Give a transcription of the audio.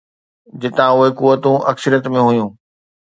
جتان اهي قوتون اڪثريت ۾ هيون.